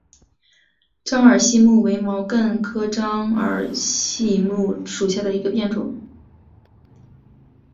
獐耳细辛为毛茛科獐耳细辛属下的一个变种。